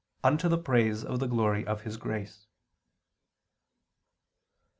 . unto the praise of the glory of His grace."